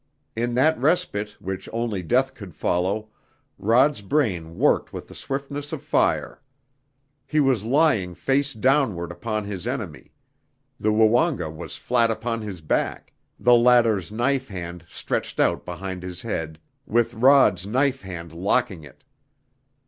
In that respite, which only death could follow, Rod's brain worked with the swiftness of fire. He was lying face downward upon his enemy; the Woonga was flat upon his back, the latter's knife hand stretched out behind his head with Rod's knife hand locking it.